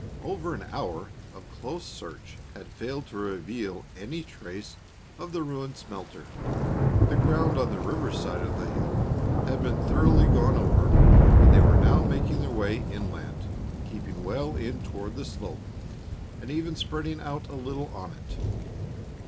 Over an hour of close search had failed to reveal any trace of the ruined smelter. The ground on the river side of the hill had been thoroughly gone over, and they were now making their way inland, keeping well in toward the slope, and even spreading out a little on it.